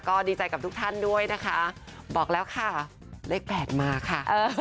ก็ดีใจกับทุกท่านด้วยนะคะบอกแล้วค่ะเลข๘มาค่ะ